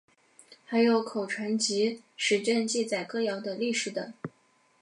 还有口传集十卷记载歌谣的历史等。